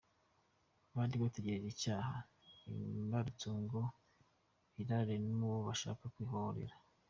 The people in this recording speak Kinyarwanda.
Bari bategereje icyaba imbarutso ngo birare mubo bashaka kwihoreraho.